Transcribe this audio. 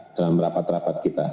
dalam rapat rapat kita